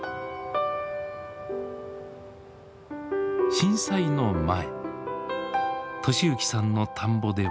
震災の前利幸さんの田んぼでは。